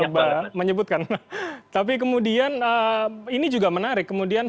tapi kemudian ini juga menarik kemudian salah satu hal positif yang saya rasa ini menarik adalah bahwa